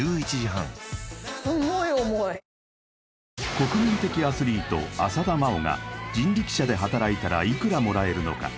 国民的アスリート浅田真央が人力車で働いたらいくらもらえるのか？